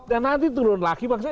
dan nanti turun lagi maksudnya